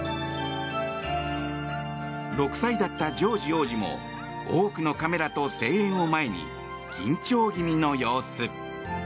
６歳だったジョージ王子も多くのカメラと声援を前に緊張気味の様子。